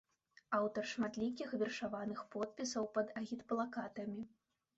Аўтар шматлікіх вершаваных подпісаў пад агітплакатамі.